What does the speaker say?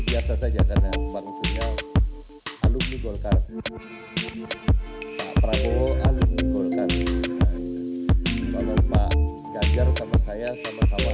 bisa saja karena maksudnya al qur'an prabowo al qur'an kalau pak gajar sama saya sama sama